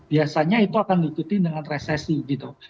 biasanya itu akan diikuti dengan resesi gitu